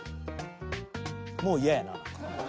もう嫌やな何か。